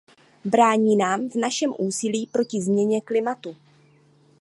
Brání nám v našem úsilí proti změně klimatu.